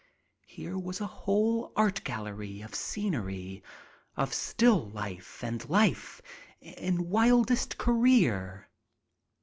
Here was a whole art gallery of scenery, of human ity, of still life and life in wildest career.